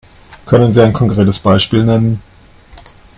Können Sie ein konkretes Beispiel nennen?